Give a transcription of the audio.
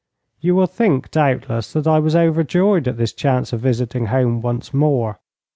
You will think, doubtless, that I was over joyed at this chance of visiting home once more.